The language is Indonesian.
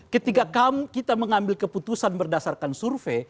ketika kita mengambil keputusan berdasarkan survei